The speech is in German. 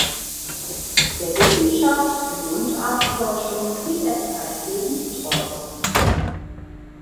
Der Wissenschaft der Mundartforschung blieb er zeitlebens treu.